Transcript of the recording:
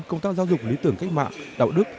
công tác giáo dục lý tưởng cách mạng đạo đức